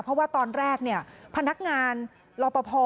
เพราะว่าตอนแรกพนักงานรอปภ